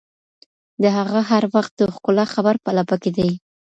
د هغه هر وخت د ښکلا خبر په لپه کي دي